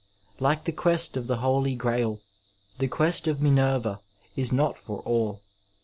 Like the quest of the Holy Grail, the quest of Minerva is not for all.